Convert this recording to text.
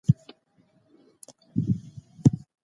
هغه د سياسي علومو په برخه کې ليسانس ترلاسه کړ.